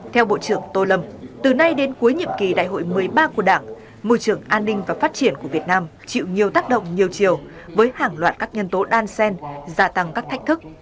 theo bộ trưởng tô lâm từ nay đến cuối nhiệm kỳ đại hội một mươi ba của đảng môi trường an ninh và phát triển của việt nam chịu nhiều tác động nhiều chiều với hàng loạt các nhân tố đan sen gia tăng các thách thức